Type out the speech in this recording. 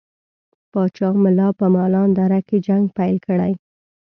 پاچا ملا په مالان دره کې جنګ پیل کړي.